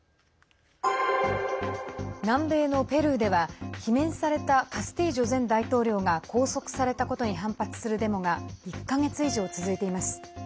南米のペルーでは罷免されたカスティジョ前大統領が拘束されたことに反発するデモが１か月以上、続いています。